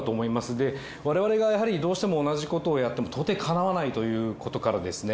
で我々がやはりどうしても同じことをやっても到底かなわないということからですね